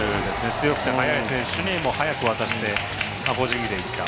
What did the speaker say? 強くて速い選手に、速く渡して個人技でいった。